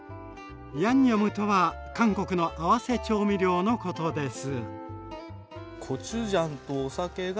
ヤンニョムとは韓国の合わせ調味料のことです。